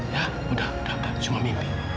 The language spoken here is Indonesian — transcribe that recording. ya udah udah udah cuma mimpi